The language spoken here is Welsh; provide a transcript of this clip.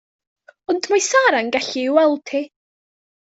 Ond mae Sara'n gallu ei gweld hi.